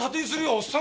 おっさん